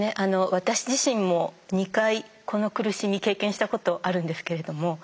私自身も２回この苦しみ経験したことあるんですけれども。